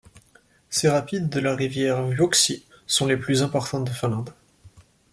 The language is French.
Ces rapides de la rivière Vuoksi sont les plus importants de Finlande.